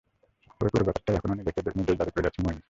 তবে পুরো ব্যাপারটায় এখনো নিজেকে নির্দোষ দাবি করে যাচ্ছেন মঈন খান।